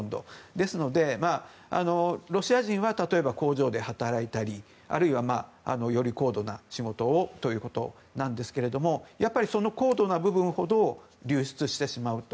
ですので、ロシア人は例えば工場で働いたりあるいは、より高度な仕事をということなんですけどもやっぱりその高度な部分ほど流出してしまうと。